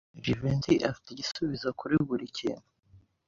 Jivency afite igisubizo kuri buri kintu.